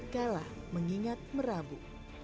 kalah mengingat merabu